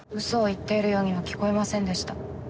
嘘を言っているようにも聞こえませんでした。